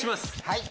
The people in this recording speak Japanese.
はい。